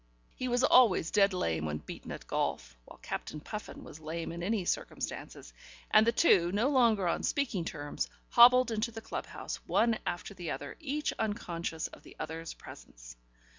He always went dead lame when beaten at golf, while Captain Puffin was lame in any circumstances, and the two, no longer on speaking terms, hobbled into the club house, one after the other, each unconscious of the other's presence.